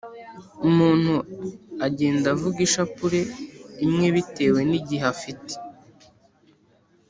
umuntu agenda avuga ishapule imwe bitewe n’igihe afite